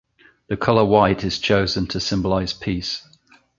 The color white is chosen to symbolize peace.